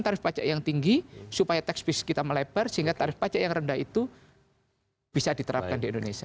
tarif pajak yang tinggi supaya tax base kita melebar sehingga tarif pajak yang rendah itu bisa diterapkan di indonesia